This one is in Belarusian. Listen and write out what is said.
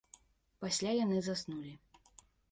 Пасля яны заснулі